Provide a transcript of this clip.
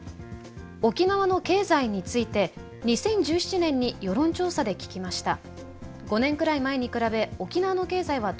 沖縄の経済について２０１７年に世論調査で聞きました。